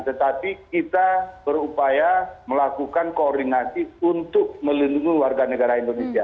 tetapi kita berupaya melakukan koordinasi untuk melindungi warga negara indonesia